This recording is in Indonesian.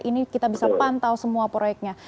ini kita bisa pantau semua proyeknya